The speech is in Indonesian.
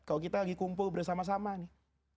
kalau kita lagi kumpul bersama sama nih